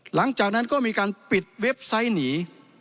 หลังจากนั้นก็มีการปิดเว็บไซต์หนี